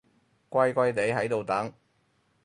乖乖哋喺度等